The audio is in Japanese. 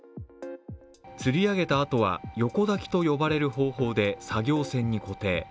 つり上げたあとは横抱きと呼ばれる方法で作業船に固定。